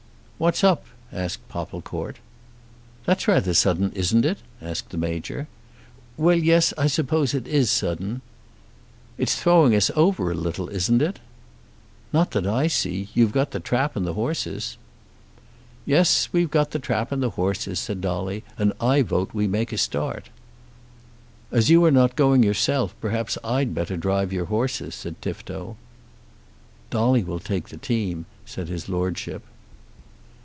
"What's up?" asked Popplecourt. "That's rather sudden; isn't it?" asked the Major. "Well; yes; I suppose it is sudden." "It's throwing us over a little, isn't it?" "Not that I see. You've got the trap and the horses." "Yes; we've got the trap and the horses," said Dolly, "and I vote we make a start." "As you are not going yourself, perhaps I'd better drive your horses," said Tifto. "Dolly will take the team," said his Lordship.